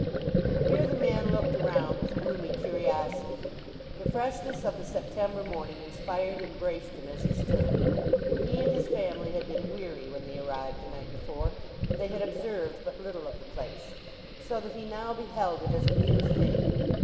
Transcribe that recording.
Here the man looked around with gloomy curiosity. The freshness of the September morning inspired and braced him as he stood. He and his family had been weary when they arrived the night before, and they had observed but little of the place; so that he now beheld it as a new thing.